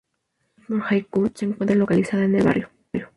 Richmond Hill High School se encuentra localizada en el barrio.